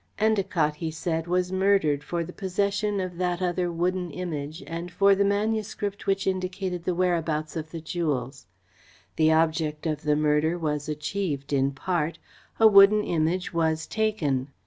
"Endacott," he said, "was murdered for the possession of that other wooden Image and for the manuscript which indicated the whereabouts of the jewels. The object of the murder was achieved in part. A wooden Image was taken.